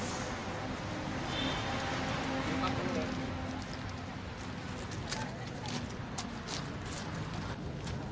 ศาสตรี